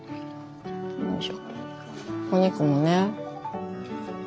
お肉もね。